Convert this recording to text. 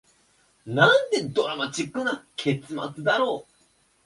なんてドラマチックな結末だろう